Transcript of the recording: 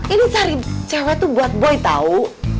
ini cari cewek tuh buat boy tau